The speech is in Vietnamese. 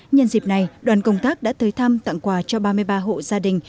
nhân dịp này đoàn công tác đã tới thăm tặng quà cho ba mươi ba hộ gia đình